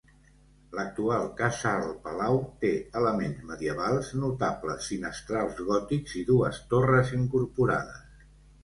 L'actual casal-palau té elements medievals, notables finestrals gòtics i dues torres incorporades.